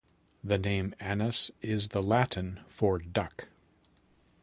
The name "Anas" is the Latin for "duck".